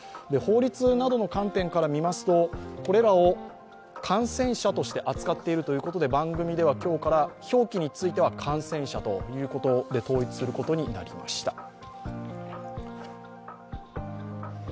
法律などの観点から見ますと、これらを感染者として扱っているということで、番組では今日から表記については感染者と統一することになりました。